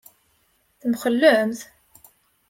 Temxellemt?